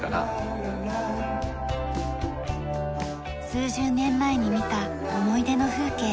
数十年前に見た思い出の風景。